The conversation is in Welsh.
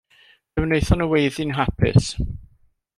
Fe wnaethon nhw weiddi'n hapus.